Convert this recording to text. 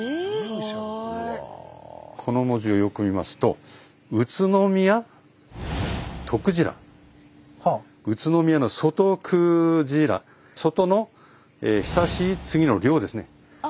この文字をよく見ますと宇都宮外久次良宇都宮の外久次良「外」の「久しい」「次」の「良」ですね。